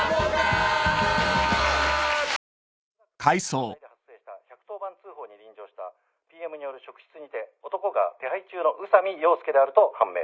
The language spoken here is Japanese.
ジョニ男さん１１０番通報に臨場したＰＭによる職質にて男が手配中の宇佐美洋介であると判明。